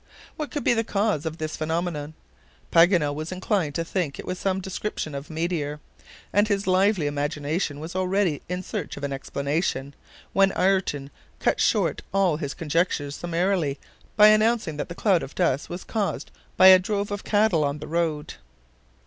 What could be the cause of this phenomenon? Paganel was inclined to think it was some description of meteor, and his lively imagination was already in search of an explanation, when Ayrton cut short all his conjectures summarily, by announcing that the cloud of dust was caused by a drove of cattle on the road.